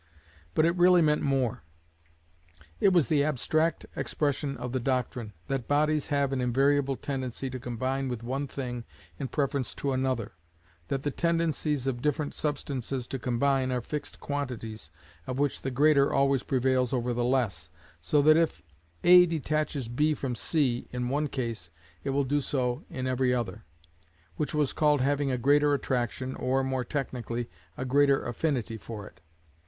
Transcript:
But it really meant more. It was the abstract expression of the doctrine, that bodies have an invariable tendency to combine with one thing in preference to another: that the tendencies of different substances to combine are fixed quantities, of which the greater always prevails over the less, so that if A detaches B from C in one case it will do so in every other; which was called having a greater attraction, or, more technically, a greater affinity for it.